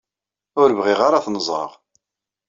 Ur bɣiɣ ara ad ten-ẓreɣ.